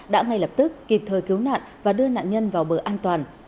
đã ngay lập tức kịp thời cứu nạn và đưa nạn nhân vào bờ an toàn